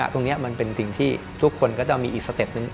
ตรงนี้มันเป็นสิ่งที่ทุกคนก็จะมีอีกสเต็ปนึง